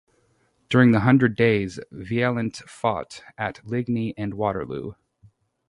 During the Hundred Days Vaillant fought at Ligny and Waterloo.